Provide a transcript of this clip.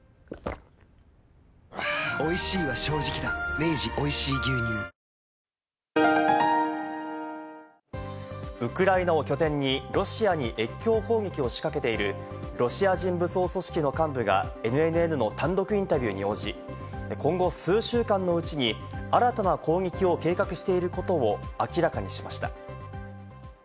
明治おいしい牛乳ウクライナを拠点にロシアに越境攻撃を仕掛けているロシア人武装組織の幹部がＮＮＮの単独インタビューに応じ、今後、数週間のうちに新たな攻撃を計画していることを明らかにしました。